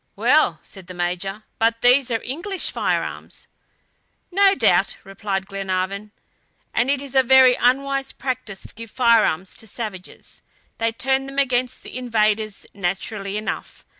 "Well!" said the Major, "but these are English firearms." "No doubt," replied Glenarvan, "and it is a very unwise practice to give firearms to savages! They turn them against the invaders, naturally enough.